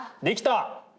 できた？